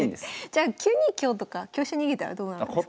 じゃあ９二香とか香車逃げたらどうなるんですか？